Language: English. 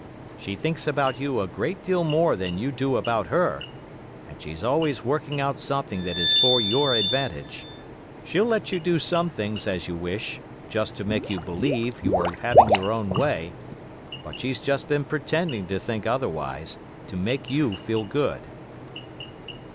She thinks about you a great deal more than you do about her, and she's always working out something that is for your advantage; she'll let you do some things as you wish, just to make you believe you are having your own way, but she's just been pretending to think otherwise, to make you feel good.